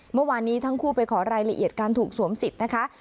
เมื่อวานนี้ทั้งคู่ไปขอรายละเอียดการถูกสวมสิทธิ์นะคะ